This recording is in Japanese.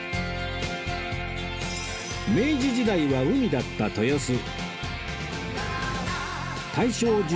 明治時代は海だった豊洲